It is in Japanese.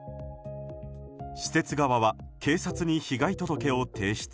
施設側は警察に被害届を提出。